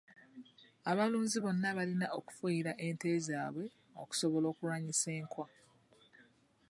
Abalunzi bonna balina okufuuyira ente zaabwe okusobola okulwanyisa enkwa.